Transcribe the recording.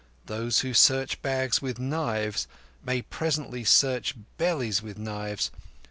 Those who search bags with knives may presently search bellies with knives.